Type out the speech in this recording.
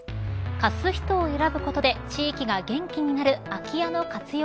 貸す人を選ぶことで地域が元気になる空き家の活用